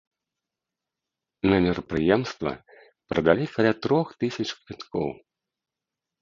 На мерапрыемства прадалі каля трох тысяч квіткоў.